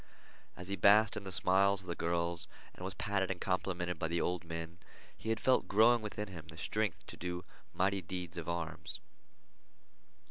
As he basked in the smiles of the girls and was patted and complimented by the old men, he had felt growing within him the strength to do mighty deeds of arms.